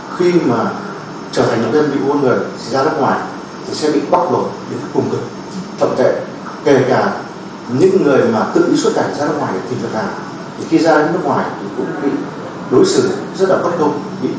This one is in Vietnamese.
khi ra đất ngoài cũng bị đối xử rất là bất công bị kỷ viện